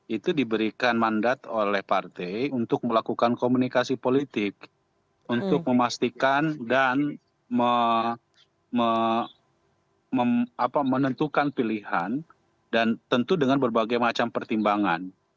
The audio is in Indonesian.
itu diberikan mandat oleh partai untuk melakukan komunikasi politik untuk memastikan dan menentukan pilihan dan tentu dengan berbagai macam pertimbangan